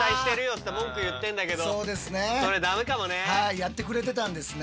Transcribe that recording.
やってくれてたんですね。